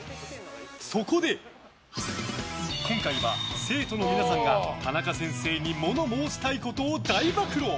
そこで、今回は生徒の皆さんが田中先生に物申したいことを大暴露。